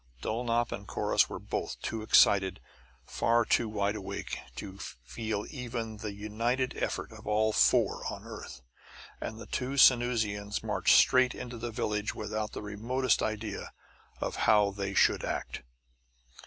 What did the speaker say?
Dulnop and Corrus were both too excited, far too wide awake, to feel even the united efforts of all four on the earth. And the two Sanusians marched straight into the village without the remotest idea of how they should act.